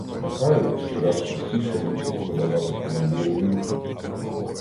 Михайлик щораз частіше мусить подавати командирові руку.